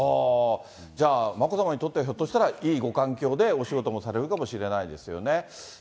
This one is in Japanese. じゃあ、眞子さまにとってはひょっとしたら、いいご環境でお仕事もされるかもしれないですよね。